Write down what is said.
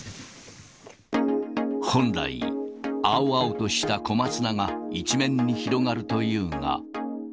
本来、青々とした小松菜が一面に広がるというが。